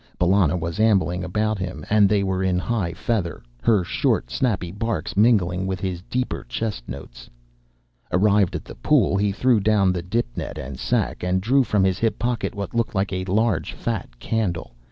Bellona was ambling about him, and they were in high feather, her short, snappy barks mingling with his deeper chest notes. Arrived at the pool, he threw down the dip net and sack, and drew from his hip pocket what looked like a large, fat candle.